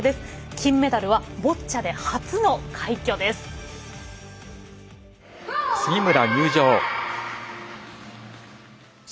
金メダルはボッチャで初の快挙です。